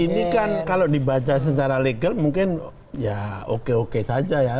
ini kan kalau dibaca secara legal mungkin ya oke oke saja ya